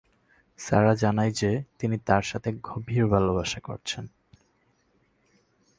সারা জানায় যে তিনি তার সাথে গভীর ভালবাসা করছেন।